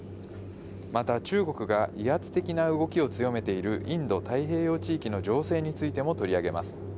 また、中国が威圧的な動きを強めているインド太平洋地域の情勢についても取り上げます。